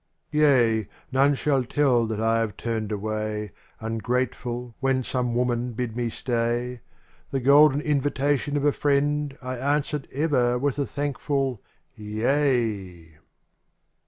|EA ! none shall tell that I have turned away. Ungrateful, when some woman bid me stay : The golden invitation of a friend I answered ever with a thankful '*yea.